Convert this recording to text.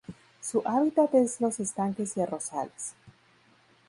Su hábitat es los estanques y arrozales.